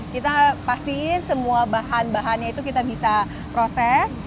kita pastiin semua bahan bahannya itu kita bisa proses